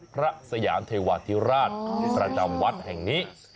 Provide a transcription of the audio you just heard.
สยามเทวาธิราชประจำวัดแห่งนี้